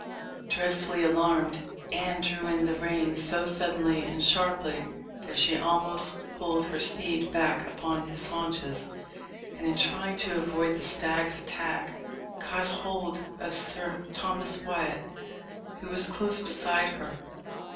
Dreadfully alarmed, Anne drew in the rein so suddenly and sharply, that she almost pulled her steed back upon his haunches; and in trying to avoid the stag's attack, caught hold of Sir Thomas Wyat, who was close beside her.